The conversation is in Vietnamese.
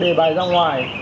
đưa đề bài ra ngoài